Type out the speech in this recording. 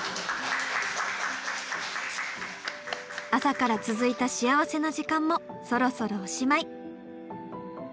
朝から続いた幸せな時間もそろそろおしまい。